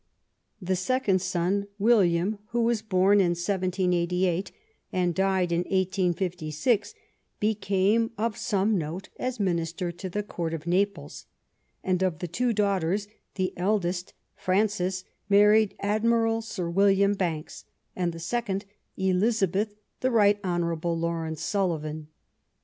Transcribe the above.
The second son, William, who was bom in 1788, and died in 1866, became of some note as Minister to the Court of Naples ; and of the two daughters, the eldest, Frances^ married Admiral Sir William Banks, and the second, Elizabeth, the Bight Hon. Lawrence Sulivan.